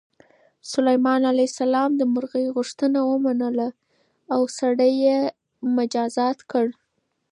سلیمان علیه السلام د مرغۍ غوښتنه ومنله او سړی یې مجازات کړ.